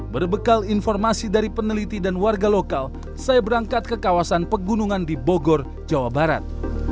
berbekal informasi dari peneliti dan warga lokal saya berangkat ke kawasan pegunungan di bogor jawa barat